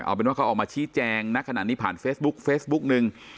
เอาเป็นว่าเขาออกมาชี้แจงณขณะนี้ผ่านเฟซบุ๊กเฟซบุ๊กนึง